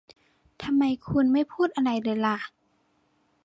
ทำไมคุณไม่พูดอะไรเลยล่ะ